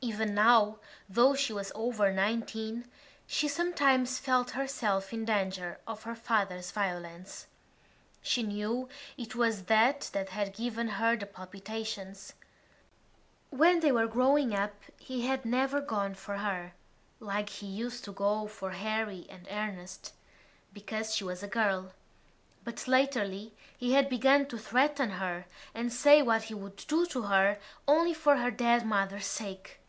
Even now, though she was over nineteen, she sometimes felt herself in danger of her father's violence. She knew it was that that had given her the palpitations. When they were growing up he had never gone for her like he used to go for Harry and Ernest, because she was a girl; but latterly he had begun to threaten her and say what he would do to her only for her dead mother's sake.